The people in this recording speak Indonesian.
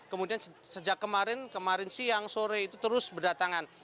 kemudian sejak kemarin kemarin siang sore itu terus berdatangan